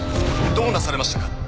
どうなされましたか？